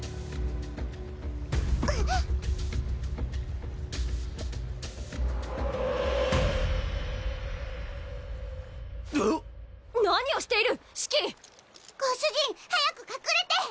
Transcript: んっ⁉何をしているシキ！ご主人早く隠れて！